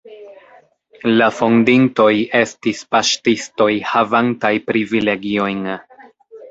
La fondintoj estis paŝtistoj havantaj privilegiojn.